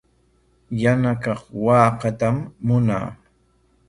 Yana kaq waakatam munaa.